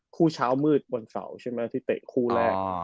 คู่เช้ามืดวันเสาร์ใช่ไหมที่เตะคู่แรก